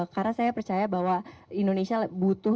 karena saya percaya bahwa indonesia butuh